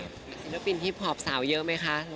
ศิลปินฮิปพอร์บสาวเยอะไหมคะทุกคน